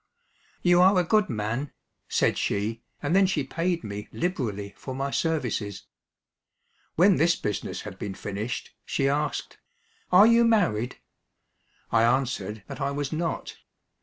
"You are a good man," said she, and then she paid me liberally for my services. When this business had been finished, she asked: "Are you married?" I answered that I was not.